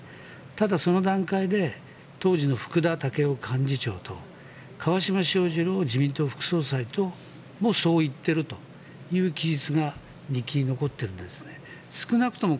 ただ、その段階で当時の福田赳夫幹事長とカワシマ・ショウジロウ自民党副総裁もそう言っているという記述が日記に残ってるんですね。